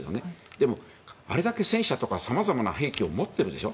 でも、あれだけ戦車とか様々な兵器を持っているでしょ。